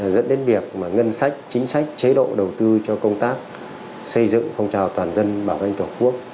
dẫn đến việc ngân sách chính sách chế độ đầu tư cho công tác xây dựng phong trào toàn dân bảo vệ tổ quốc